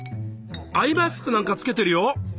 アイマスクなんか着けてるよ？